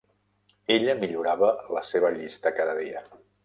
Ella millorava la seva llista cada dia.